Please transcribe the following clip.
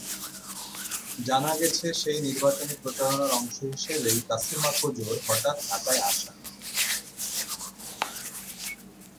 জানা গেছে, সেই নির্বাচনী প্রচারণার অংশ হিসেবেই তাসিমা কোজোর হঠাৎ ঢাকায় আসা।